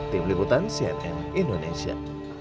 tim liputan cnn indonesia